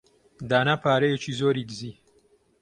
دانا پارەیەکی زۆری دزی.